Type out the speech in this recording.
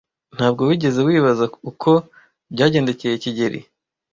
Ntabwo wigeze wibaza uko byagendekeye kigeli?